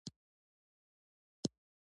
په جنت کي به جنيان آسونه هم لري